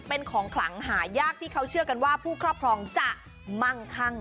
เป็นของขลังหายากที่เขาเชื่อกันว่าผู้ครอบครองจะมั่งคั่ง